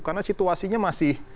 karena situasinya masih